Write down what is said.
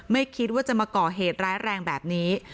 ไม่คิดว่าจะมาก่อเหตุร้ายแรงแบบนี้